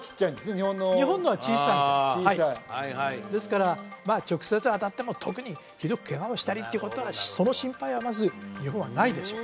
日本の日本のは小さいんですはいですからまあ直接当たっても特にひどくけがをしたりっていうことはその心配はまず日本はないでしょう